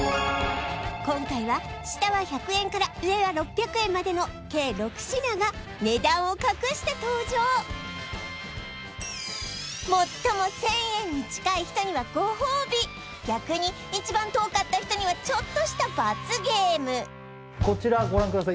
今回は下は１００円から上は６００円までの計６品が値段を隠して登場最も１０００円に近い人にはご褒美逆に一番遠かった人にはちょっとした罰ゲームこちらご覧ください